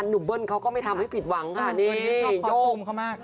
หนุ่มเบิ้ลเขาก็ไม่ทำให้ผิดหวังค่ะนี่โยก